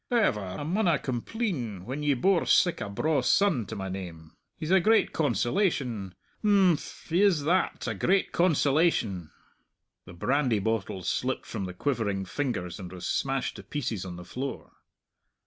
However, I maunna compleen when ye bore sic a braw son to my name. He's a great consolation! Imphm, he is that a great consolation!" The brandy bottle slipped from the quivering fingers and was smashed to pieces on the floor.